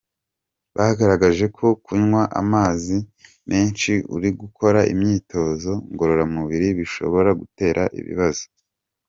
bagaragaje ko kunywa amazi menshi uri gukora imyitozo ngororamubiri bishobora gutera ibibazo.